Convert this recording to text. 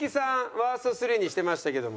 ワースト３にしてましたけども。